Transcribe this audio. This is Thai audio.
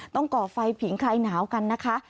ก่อไฟผิงคลายหนาวกันนะคะ